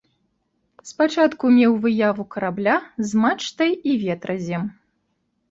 Спачатку меў выяву карабля з мачтай і ветразем.